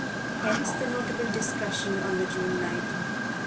Hence the notable discussion on the June night.